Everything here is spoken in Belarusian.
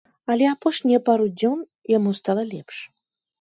Але апошнія пару дзён яму стала лепш.